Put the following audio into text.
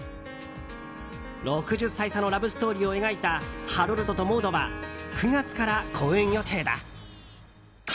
６０歳差のラブストーリーを描いた「ハロルドとモード」は９月から公演予定だ。